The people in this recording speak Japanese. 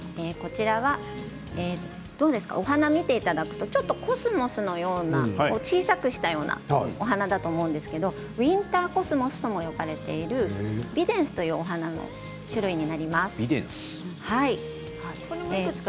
お花を見ていただくとコスモスをちょっと小さくしたようなお花だと思いますがウインターコスモスとも呼ばれているビデンスというお花の種類です。